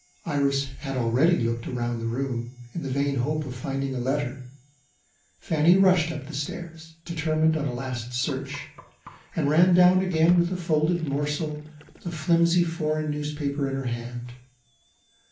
Iris had already looked round the room, in the vain hope of finding a letter. Fanny rushed up the stairs, determined on a last search and ran down again with a folded morsel of flimsy foreign notepaper in her hand.